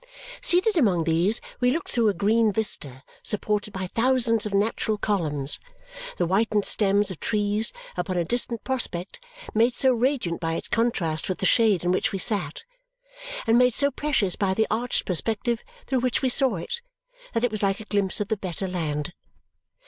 Seated among these, we looked through a green vista supported by thousands of natural columns, the whitened stems of trees, upon a distant prospect made so radiant by its contrast with the shade in which we sat and made so precious by the arched perspective through which we saw it that it was like a glimpse of the better land.